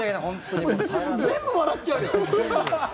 もう全部笑っちゃうよ。